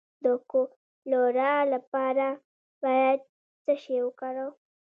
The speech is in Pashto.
د کولرا لپاره باید څه شی وکاروم؟